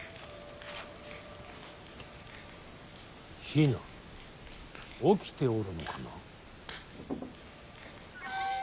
比奈起きておるのかな。